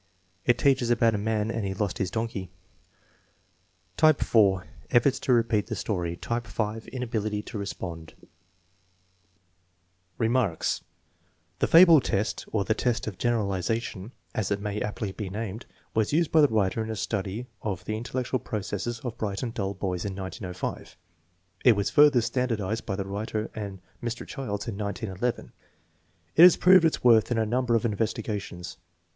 "It teaches about a man and he lost his donkey." Type (4), efforts to repeat the story. Type (5), inability to respond. Remarks. The fable test, or the " test of generalization/' as it may aptly be named, was used by the writer in a study 298 THE MEASUREMENT OF INTELLIGENCE of the intellectual processes of bright and dull boys in 1905, 1 and was further standardized by the writer and Mr. Childs in 1911. 2 It has proved its worth in a number of investiga tions.